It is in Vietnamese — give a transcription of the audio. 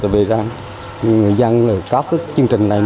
vì người dân có chương trình này